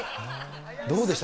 どうでした？